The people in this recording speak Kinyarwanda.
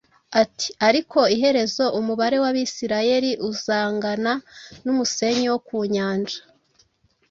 ati: “Ariko iherezo, umubare w’Abisirayeli uzangana n’umusenyi wo ku nyanja,